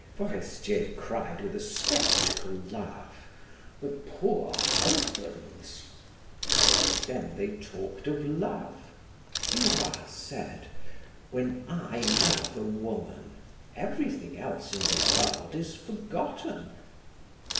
Forestier cried with a sceptical laugh: "The poor husbands!" Then they talked of love. Duroy said: "When I love a woman, everything else in the world is forgotten."